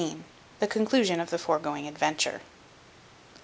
The conclusion of the foregoing adventure.